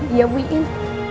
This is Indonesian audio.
iya bu iin